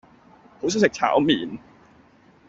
好想食炒麵